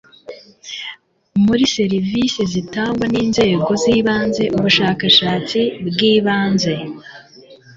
muri serivisi zitangwa n inzego z ibanze ubushakashatsi bwibanze